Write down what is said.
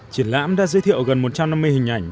triển lãm đã giới thiệu gần một trăm năm mươi hình ảnh